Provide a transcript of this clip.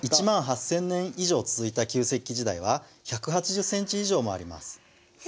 １万８，０００年以上続いた旧石器時代は１８０センチ以上もあります。